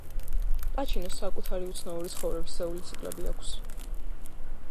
პაჩინოს საკუთარი უცნაური ცხოვრებისეული ციკლები აქვს.